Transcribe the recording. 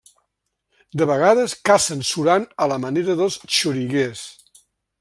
De vegades, cacen surant a la manera dels xoriguers.